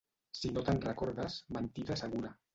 Si no te'n recordes, mentida segura.